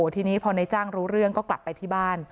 ทีนี้พอในจ้างรู้เรื่องก็กลับไปที่บ้าน